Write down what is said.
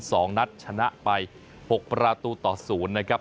สองนัดชนะไปหกประตูต่อศูนย์นะครับ